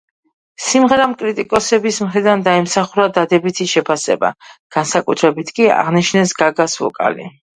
სიმღერამ კრიტიკოსების მხრიდან დაიმსახურა დადებითი შეფასება, განსაკუთრებით კი აღნიშნეს გაგას ვოკალი.